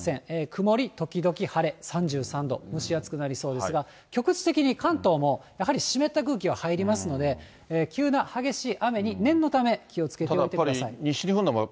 曇り時々晴れ、３３度、蒸し暑くなりそうですが、局地的に関東もやはり湿った空気は入りますので、急な激しい雨に、ただやっぱり、西日本の場合、